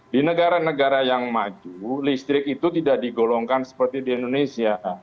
di negara negara yang maju listrik itu tidak digolongkan seperti di indonesia